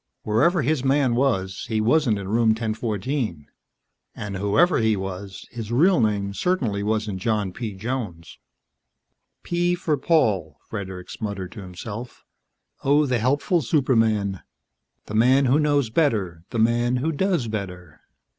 Wherever his man was, he wasn't in Room 1014. And whoever he was, his real name certainly wasn't John P. Jones. "P for Paul," Fredericks muttered to himself. "Oh, the helpful superman, the man who knows better, the man who does better."